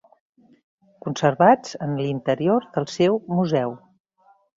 Conservats en l'interior del seu museu.